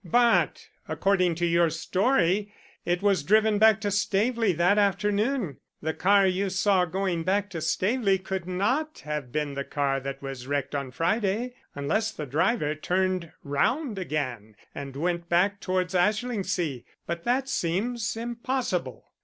"But, according to your story, it was driven back to Staveley that afternoon. The car you saw going back to Staveley could not have been the car that was wrecked on Friday, unless the driver turned round again and went back towards Ashlingsea but that seems impossible."